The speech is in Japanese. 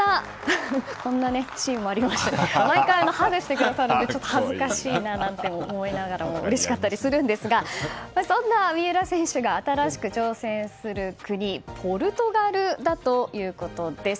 毎回ハグしてくださるので恥ずかしいなと思いながらもうれしかったりするんですがそんな三浦選手が新しく挑戦する国ポルトガルだということです。